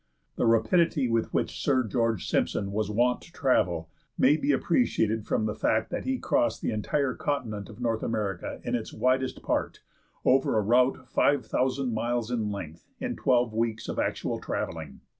The rapidity with which Sir George Simpson was wont to travel may be appreciated from the fact that he crossed the entire continent of North America in its widest part, over a route five thousand miles in length, in twelve weeks of actual travelling.